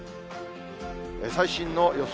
最新の予想